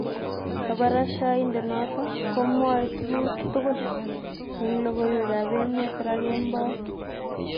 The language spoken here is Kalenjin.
Kabarashainde noton komwoe tuku tugul en lokoiwek ab emet raa kemboi.